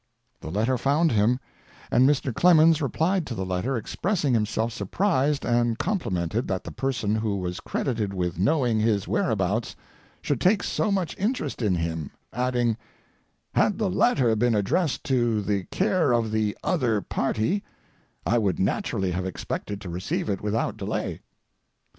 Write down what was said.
The letter found him, and Mr. Clemens replied to the letter expressing himself surprised and complimented that the person who was credited with knowing his whereabouts should take so much interest in him, adding: "Had the letter been addressed to the care of the 'other party,' I would naturally have expected to receive it without delay."